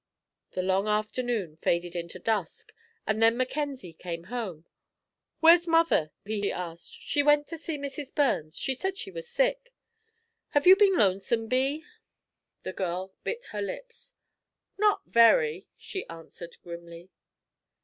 The long afternoon faded into dusk, and then Mackenzie came home. "Where's mother?" he asked. "She went to see Mrs. Burns. She said she was sick." "Have you been lonesome, Bee?" The girl bit her lips. "Not very," she answered grimly.